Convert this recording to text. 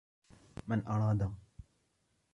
مَنْ أَرَادَ